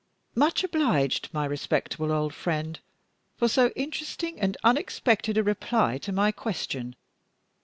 "Much obliged, my respectable old friend, for so interesting and unexpected a reply to my question.